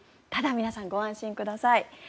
ただ、皆さん、ご安心ください。